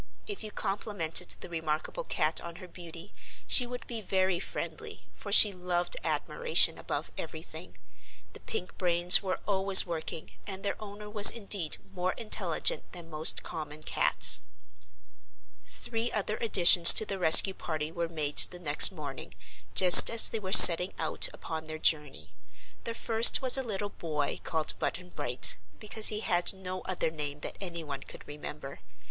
If you complimented the remarkable cat on her beauty, she would be very friendly, for she loved admiration above everything. The pink brains were always working and their owner was indeed more intelligent than most common cats. Three other additions to the rescue party were made the next morning, just as they were setting out upon their journey. The first was a little boy called Button Bright, because he had no other name that anyone could remember.